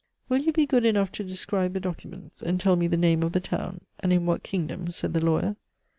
"Will you be good enough to describe the documents, and tell me the name of the town, and in what kingdom?" said the lawyer.